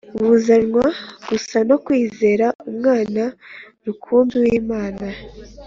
buzanwa gusa no kwizera Umwana rukumbi w'Imana.